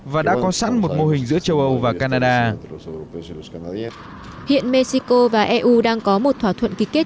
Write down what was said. và đã có sẵn một mô hình giữa châu âu và canada hiện mexico và eu đang có một thỏa thuận ký kết